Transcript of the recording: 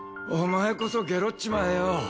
お前こそゲロッちまえよ。